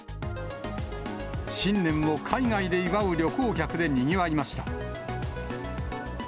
新年を海外で祝う旅行客でにぎわいました。